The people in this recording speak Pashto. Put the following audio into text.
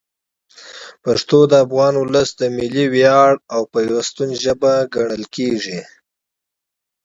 پښتو د افغان ولس د ملي ویاړ او پیوستون ژبه ګڼل کېږي.